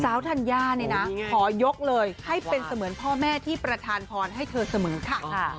ธัญญาเนี่ยนะขอยกเลยให้เป็นเสมือนพ่อแม่ที่ประธานพรให้เธอเสมอค่ะ